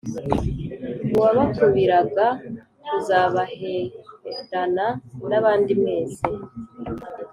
uwabakubiraga kuzabaherana nabandi mwese.